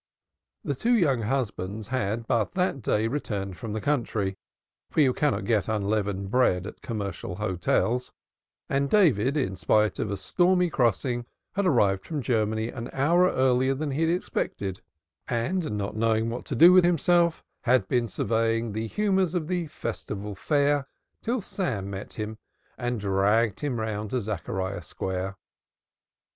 The two young husbands had but that day returned from the country, for you cannot get unleavened bread at commercial hotels, and David in spite of a stormy crossing had arrived from Germany an hour earlier than he had expected, and not knowing what to do with himself had been surveying the humors of the Festival Fair till Sam met him and dragged him round to Zachariah Square.